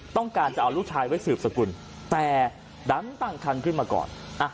ต้องการจะเอาลูกชายไว้สืบสกุลแต่ดันตั้งคันขึ้นมาก่อน